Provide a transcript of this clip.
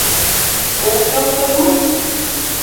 — Ок келше мо?